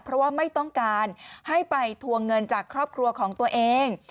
เพราะว่าไม่ต้องการให้ไปทวงเงินจากครอบครัวของตัวเอง